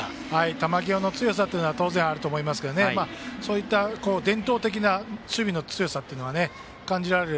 球際の強さは当然あると思いますが、伝統的な守備の強さというのは感じられる。